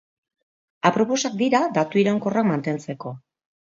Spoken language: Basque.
Aproposak dira datu iraunkorrak mantentzeko.